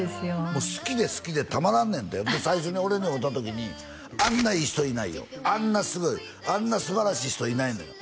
もう好きで好きでたまらんねんて最初に俺に会うた時に「あんないい人いないよあんなすごい」「あんなすばらしい人いないのよ」